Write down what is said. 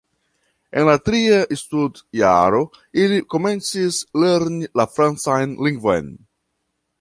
En la tria studjaro ili komencis lerni la francan lingvon.